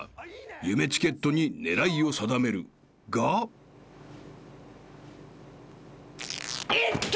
［夢チケットに狙いを定めるが］痛っ！